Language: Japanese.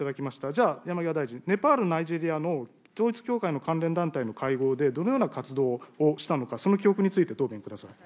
じゃあ、山際大臣、ネパール、ナイジェリアの統一教会の関連団体の会合で、どのような活動をしたのか、その記憶について、答弁ください。